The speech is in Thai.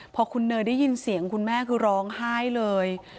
พอคุณเนยได้ยินเสียงคุณแม่คือร้องไห้เลย